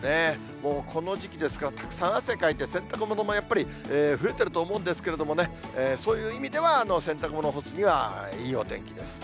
もうこの時期ですから、たくさん汗かいて、洗濯物もやっぱり増えていると思うんですけれどもね、そういう意味では、洗濯物干すには、いいお天気です。